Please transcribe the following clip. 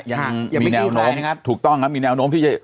ยังมีแนวโน้มที่จะ